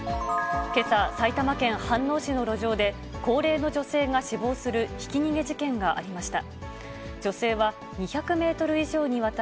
けさ、埼玉県飯能市の路上で、高齢の女性が死亡するひき逃げ事件がありました。